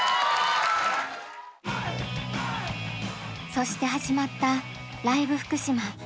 そして始まった「ＬＩＶＥ福島」。